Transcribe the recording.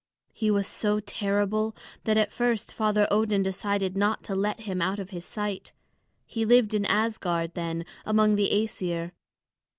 He was so terrible that at first Father Odin decided not to let him out of his sight. He lived in Asgard then, among the Æsir.